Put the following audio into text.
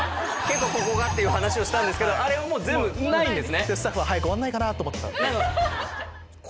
ここが！って話をしたんですけどあれは全部ないんですね。